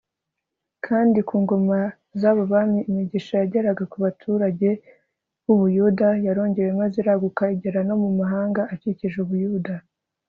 kandi ku ngoma z'abo bami imigisha yageraga ku baturage b'ubuyuda yarongewe maze iraguka igera no mu mahanga akikije ubuyuda